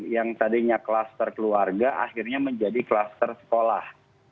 yang tadinya klaster keluarga akhirnya menjadi klaster sekolah